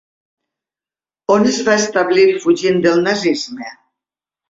On es va establir fugint del nazisme?